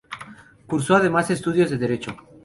Cursó además estudios de Derecho.